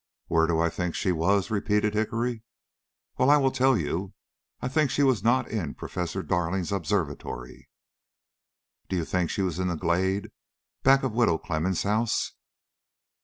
"Where do I think she was?" repeated Hickory. "Well, I will tell you. I think she was not in Professor Darling's observatory." "Do you think she was in the glade back of Widow Clemmens' house?"